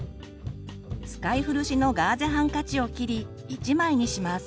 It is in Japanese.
使い古しのガーゼハンカチを切り一枚にします。